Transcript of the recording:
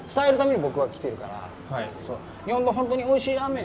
ชาวธรรมดีชาวนี้เขาอยู่ที่สำหรับคนอื่น